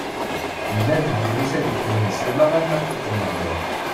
Yenna deg wul-is ad ikemmel d Sima alamma fuken lehdur.